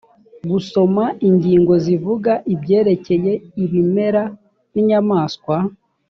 gusoma ingingo zivuga ibyerekeye ibimera n’inyamaswa